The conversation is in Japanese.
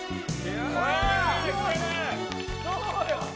どうよ！